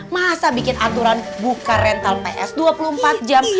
masa bikin aturan buka rental ps dua puluh empat jam